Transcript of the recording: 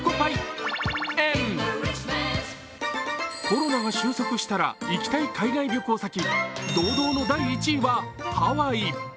コロナが収束したら行きたい海外旅行先、堂々の第１位はハワイ。